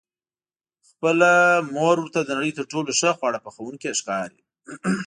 خپله مور ورته د نړۍ تر ټولو ښه خواړه پخوونکې ښکاري.